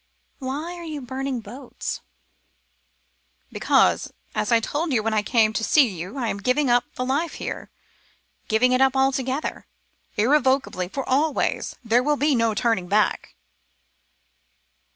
"Why are you burning boats?" "Because, as I told you when I came to see you, I am giving up the life here, giving it up altogether, irrevocably, for always. There is to be no turning back."